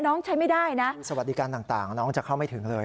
น้องใช้ไม่ได้นะสวัสดีการณ์ต่างต่างน้องจะเข้าไม่ถึงเลย